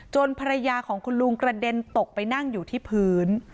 ภรรยาของคุณลุงกระเด็นตกไปนั่งอยู่ที่พื้น